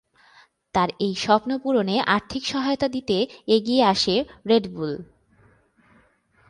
তার এই স্বপ্ন পূরণে আর্থিক সহায়তা দিতে এগিয়ে আসে রেড বুল।